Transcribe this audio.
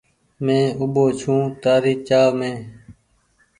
مين اوٻو ڇون تآري چآه مين ۔